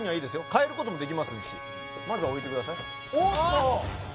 変えることもできますしまずは置いてくださいおっと！